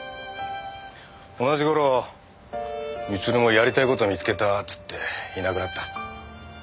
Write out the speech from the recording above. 同じ頃光留もやりたい事見つけたっつっていなくなった。